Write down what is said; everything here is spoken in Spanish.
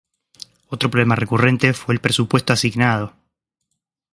Otro problema recurrente fue el presupuesto asignado.